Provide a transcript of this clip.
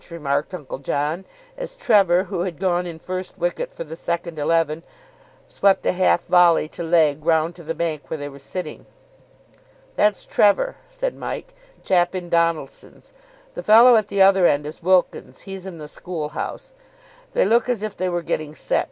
remarked Uncle John, as Trevor, who had gone in first wicket for the second eleven, swept a half volley to leg round to the bank where they were sitting. "That's Trevor," said Mike. "Chap in Donaldson's. The fellow at the other end is Wilkins. He's in the School House. They look as if they were getting set.